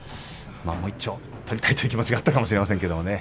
もう一丁取りたいという気持ちがあったかもしれませんがね。